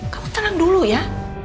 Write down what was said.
kamu tenang dulu ya